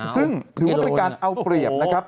ซึ่งถือว่าเป็นการเอาเปรียบ